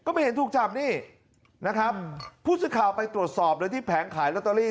ไม่เห็นถูกจับนี่นะครับผู้สื่อข่าวไปตรวจสอบเลยที่แผงขายลอตเตอรี่